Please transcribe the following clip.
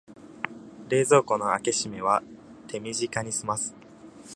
冷蔵庫の開け閉めは手短にすます